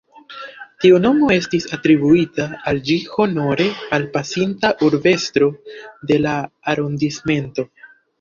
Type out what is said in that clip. Tiu nomo estis atribuita al ĝi honore al pasinta urbestro de la arondismento.